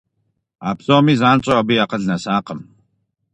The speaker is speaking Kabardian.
А псоми занщӀэу абы и акъыл нэсакъым.